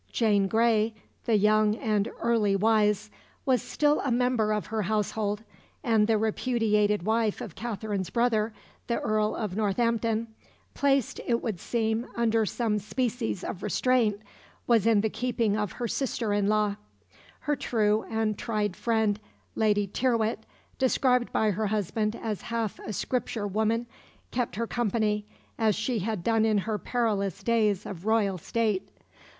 Jane Grey, "the young and early wise," was still a member of her household, and the repudiated wife of Katherine's brother, the Earl of Northampton placed, it would seem, under some species of restraint was in the keeping of her sister in law. Her true and tried friend, Lady Tyrwhitt, described by her husband as half a Scripture woman, kept her company, as she had done in her perilous days of royal state.